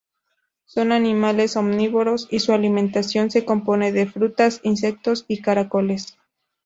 Son animales omnívoros, y su alimentación se compone de frutas, insectos y caracoles.